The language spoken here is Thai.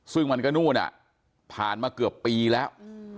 ซึ่งมันก็นู่นอ่ะผ่านมาเกือบปีแล้ว